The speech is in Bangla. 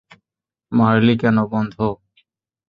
মারলি কেন, বন্ধ!